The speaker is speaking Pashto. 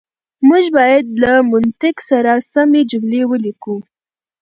موږ بايد له منطق سره سمې جملې وليکو.